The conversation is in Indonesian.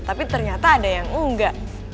tapi ternyata ada yang enggak